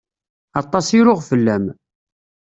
Aṭas i ruɣ fell-am.